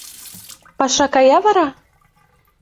— Паша кая вара?